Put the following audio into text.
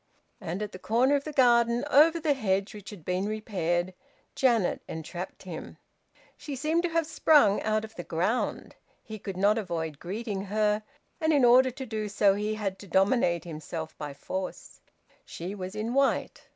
And at the corner of the garden, over the hedge, which had been repaired, Janet entrapped him. She seemed to have sprung out of the ground. He could not avoid greeting her, and in order to do so he had to dominate himself by force. She was in white.